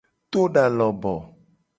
To da loboo.